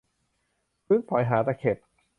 ฟื้นฝอยหาตะเข็บ